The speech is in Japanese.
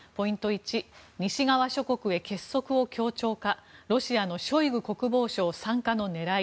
１西側諸国へ結束を強調かロシアのショイグ国防相参加の狙い。